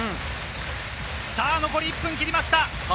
残りは１分を切りました。